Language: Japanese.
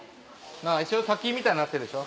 一応滝みたいになってるでしょ。